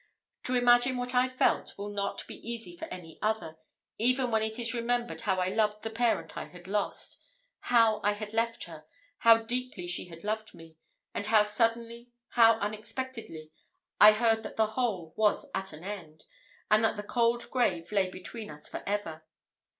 To imagine what I felt, will not be easy for any other, even when it is remembered how I loved the parent I had lost, how I had left her how deeply she had loved me, and how suddenly, how unexpectedly I heard that the whole was at an end, and that the cold grave lay between us for ever.